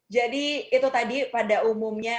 jadi itu tadi pada umumnya